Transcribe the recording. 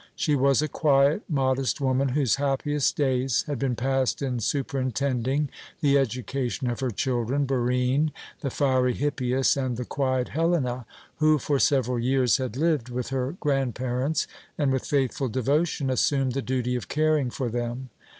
She was a quiet, modest woman whose happiest days had been passed in superintending the education of her children, Barine, the fiery Hippias, and the quiet Helena, who for several years had lived with her grandparents and, with faithful devotion, assumed the duty of caring for them.